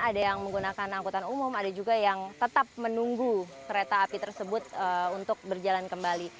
ada yang menggunakan angkutan umum ada juga yang tetap menunggu kereta api tersebut untuk berjalan kembali